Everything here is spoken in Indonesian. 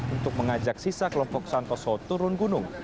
untuk mengajak sisa kelompok santoso turun gunung